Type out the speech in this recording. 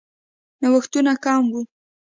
نوښتونه کم وو.